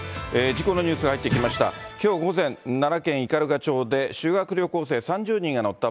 事故のニュースが入ってきました。